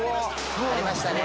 ありましたね。